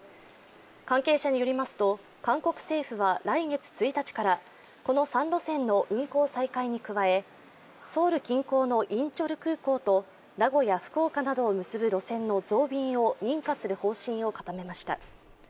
関係者によりますと、韓国政府は来月１日から、この３路線の運航再開に加え、ソウル近郊のインチョン空港と名古屋・福岡などを結ぶ航空便の増便を認可する方針を固めました。